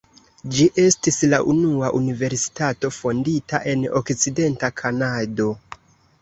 Ĝi estis la unua universitato fondita en okcidenta Kanado.